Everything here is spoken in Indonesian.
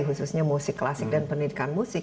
khususnya musik klasik dan pendidikan musik